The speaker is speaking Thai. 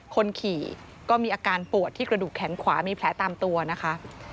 คนขี่ก็มีอาการปวดที่กระดูกแขนขวามีแผลตามตัวนะคะ